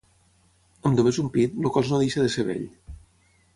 Amb només un pit, el cos no deixa de ser bell.